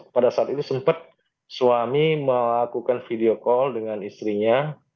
pada saat itu sempat suami melakukan video call dengan istrinya